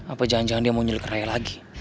apa jangan jangan dia mau nyulik rai lagi